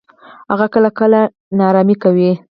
هغه کله کله ناړامي کوي.